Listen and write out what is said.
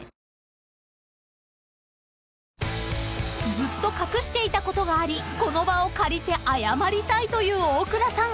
［ずっと隠していたことがありこの場を借りて謝りたいという大倉さん。